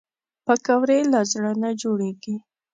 پکورې له زړه نه جوړېږي